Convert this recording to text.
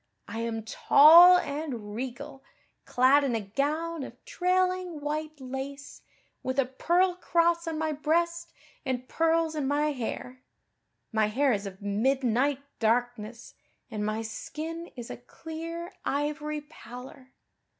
I am tall and regal, clad in a gown of trailing white lace, with a pearl cross on my breast and pearls in my hair. My hair is of midnight darkness and my skin is a clear ivory pallor.